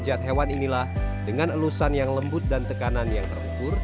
jat hewan inilah dengan elusan yang lembut dan tekanan yang terukur